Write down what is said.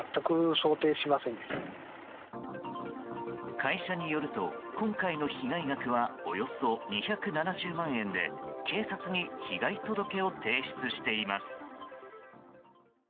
会社によると今回の被害額はおよそ２７０万円で警察に被害届を提出しています。